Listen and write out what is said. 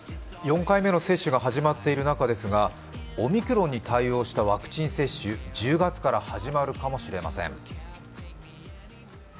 ４回目の接種が始まっている中ですが、オミクロンに対応したワクチン接種、１０月から始まるかもしれません。